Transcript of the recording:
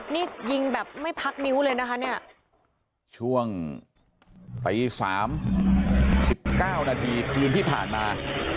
นี่ยิงแบบไม่พักนิ้วเลยนะคะเนี่ยช่วงตี๓๑๙นาทีคืนที่ผ่านมา